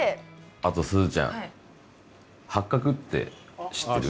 あと、すずちゃんハッカクって知ってる？